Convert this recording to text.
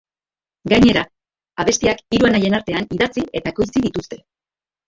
Gainera, abestiak hiru anaien artean idatzi eta ekoitzi dituzte.